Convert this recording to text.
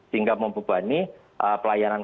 sehingga membebani pelayanan